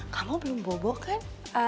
kamu belum bobo kan